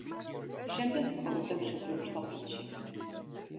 შემდეგ ცხოვრობდა მშობლიურ სოფელში.